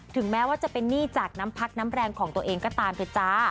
แม้ว่าจะเป็นหนี้จากน้ำพักน้ำแรงของตัวเองก็ตามเถอะจ้า